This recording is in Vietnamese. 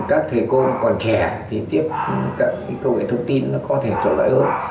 các thầy cô còn trẻ thì tiếp cận cái công nghệ thông tin nó có thể thuận lợi hơn